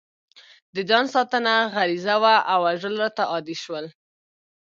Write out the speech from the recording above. د ځان ساتنه غریزه وه او وژل راته عادي شول